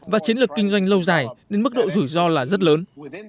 và chiến lược kinh doanh lâu dài nên mức độ rủi ro là rất lớn